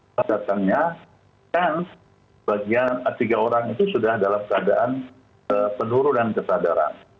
pada datangnya kan bagian tiga orang itu sudah dalam keadaan penurunan kesadaran